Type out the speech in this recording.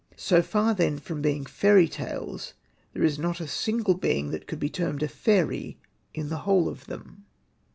So far, ^ then, from being fairy tales there is not a single being that could be termed a fairy in the whole of them.